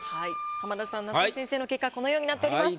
浜田さん夏井先生の結果このようになっております。